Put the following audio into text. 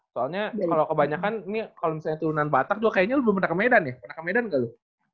soalnya kalau kebanyakan kalau misalnya turunan batak juga kayaknya lu belum pernah ke medan ya pernah ke medan enggak lu